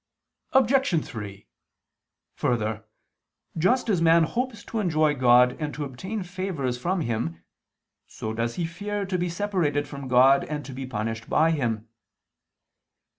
Obj. 3: Further, just as man hopes to enjoy God and to obtain favors from Him, so does he fear to be separated from God and to be punished by Him.